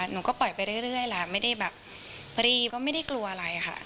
หนูก็ปล่อยไปเรื่อยแหละไม่ได้แบบพอดีก็ไม่ได้กลัวอะไรค่ะ